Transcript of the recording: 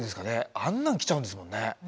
あんなの来ちゃうんですもんね。